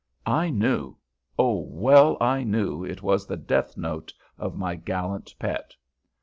I knew oh, well I knew it was the death note of my gallant pet.